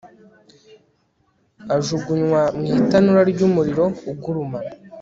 ajugunywa mu itanura ry umuriro ugurumana